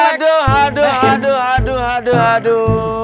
aduh aduh aduh